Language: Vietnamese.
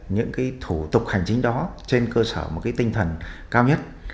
những cái thủ tục hành chính đó trên cơ sở một tinh thần cao nhất